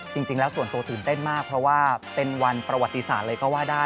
จริงแล้วส่วนตัวตื่นเต้นมากเพราะว่าเป็นวันประวัติศาสตร์เลยก็ว่าได้